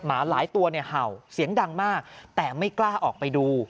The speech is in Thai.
หมาหลายตัวเนี่ยเห่าเสียงดังมากแต่ไม่กล้าออกไปดู